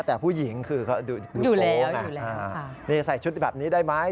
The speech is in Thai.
แต่ผู้หญิงคือเขาดูโป๊ไงนี่ใส่ชุดแบบนี้ได้ไหม